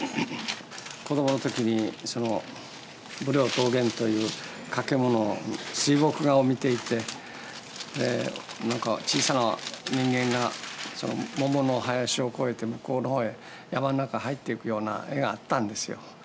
子どもの時に「武陵桃源」という掛け物水墨画を見ていてなんか小さな人間が桃の林を越えて向こうの方へ山の中へ入っていくような絵があったんですよ